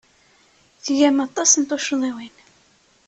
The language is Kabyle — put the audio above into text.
Tgam aṭas n tuccḍiwin.